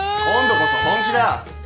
今度こそ本気だ！